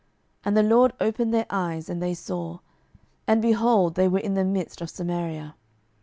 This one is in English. And the LORD opened their eyes, and they saw; and, behold, they were in the midst of Samaria.